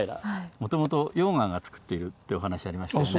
もともと溶岩がつくっているというお話ありましたよね。